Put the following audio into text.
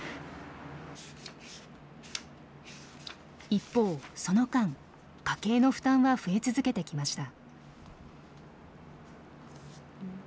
一方その間家計の負担は増え続けてきました。